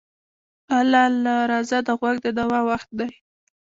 اله اله راځه چې د غوږ د دوا وخت دی.